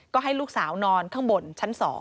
ก็ให้ลูกสาวนอนข้างบนชั้น๒